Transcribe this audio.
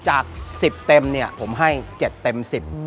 จาก๑๐เต็มเนี่ยผมให้๗เต็ม๑๐